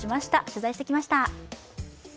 取材してきました。